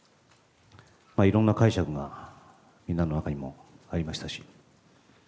いろんな解釈がみんなの中にもありましたし。